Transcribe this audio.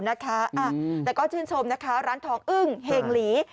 แต่ก็ชื่นชมนะคะร้านทองอึ้งเฮงหลี